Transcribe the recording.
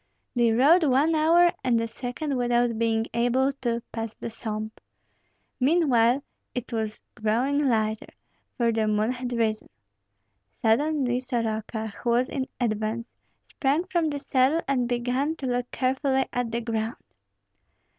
They rode one hour and a second without being able to pass the swamp. Meanwhile it was growing lighter, for the moon had risen. Suddenly Soroka, who was in advance, sprang from the saddle and began to look carefully at the ground.